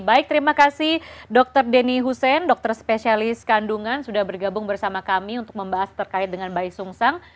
baik terima kasih dr denny husein dokter spesialis kandungan sudah bergabung bersama kami untuk membahas terkait dengan bayi sungsang